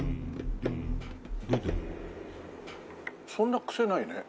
そんなクセないね。